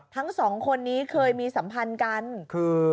ตอนต่อไป